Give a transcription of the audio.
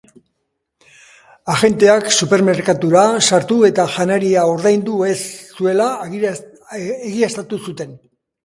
Agenteak supermerkatura sartu eta janaria ordaindu ez zuela egiaztatu zuten.